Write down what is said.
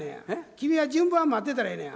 君は順番待ってたらええねや。